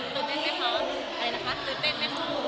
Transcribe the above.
ตื่นเต้นไหมคะ